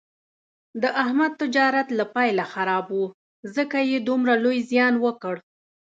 د احمد تجارت له پیله خراب و، ځکه یې دومره لوی زیان وکړ.